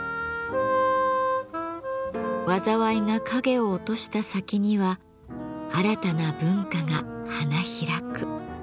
災いが影を落とした先には新たな文化が花開く。